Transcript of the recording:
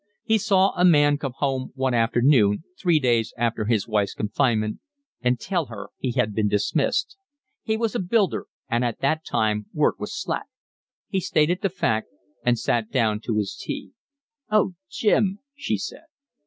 He saw a man come home one afternoon, three days after his wife's confinement, and tell her he had been dismissed; he was a builder and at that time work was slack; he stated the fact, and sat down to his tea. "Oh, Jim," she said.